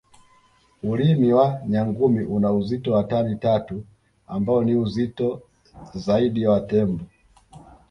Ulimi wa nyangumi una uzito wa tani tatu ambao ni uzito zaidi wa Tembo